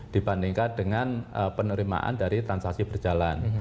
dibandingkan dengan penerimaan dari transaksi berjalan